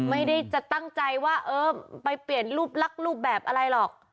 ไม่ได้จะตั้งใจว่าเออไปเปลี่ยนรูปลักษณ์รูปแบบอะไรหรอก